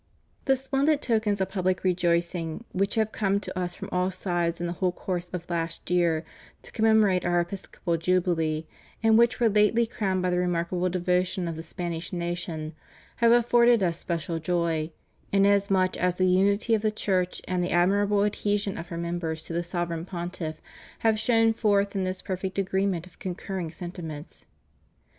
The splendid tokens of public rejoicing which have come to Us from all sides in the whole course of last year, to commemorate Our Episcopal Jubilee, and which were lately crowned by the remarkable devotion of the Spanish nation, have afforded Us special joy, inasmuch as the unity of the Church and the admirable adhesion of her members to the Sovereign Pontiff have shone forth in this perfect agreement of concurring sentiments.